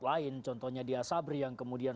lain contohnya di asabri yang kemudian